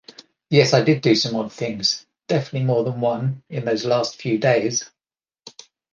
Yes, I did do some odd things, definitely more than one, in those last few days.